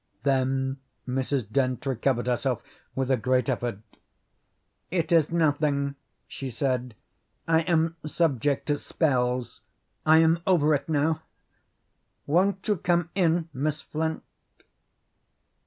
Then Mrs. Dent recovered herself with a great effort. "It is nothing," she said. "I am subject to spells. I am over it now. Won't you come in, Miss Flint?"